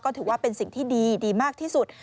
ถือว่าเป็นสิ่งที่ดีมากที่สุด